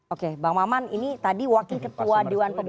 oke bang maman ini tadi wakil ketua dewan pembinaan